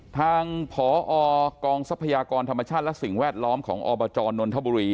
ทางผอกองทรัพยากรธรรมชาติและสิ่งแวดล้อมของอบจนนทบุรี